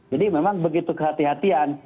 jadi memang begitu kehatian